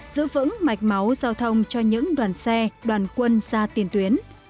giữ vững mạch máu giao thông cho những đoàn xe đoàn quân ra tiền tuyến